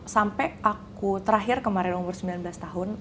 sampai aku terakhir kemarin umur sembilan belas tahun